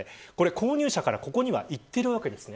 購入者からここにはいっているわけです。